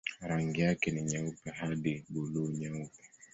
Rangi yake ni nyeupe hadi buluu-nyeupe.